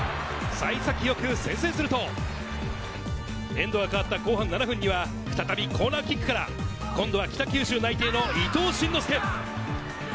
幸先よく先制すると、エンドが変わった後半７分には再びコーナーキックから今度は北九州内定の伊東進之輔。